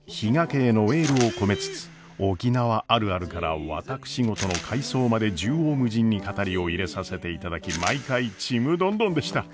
家へのエールを込めつつ沖縄あるあるから私事の回想まで縦横無尽に語りを入れさせていただき毎回ちむどんどんでした。